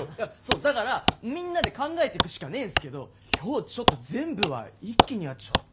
だからみんなで考えてくしかねえんすけど今日ちょっと全部は一気にはちょっと。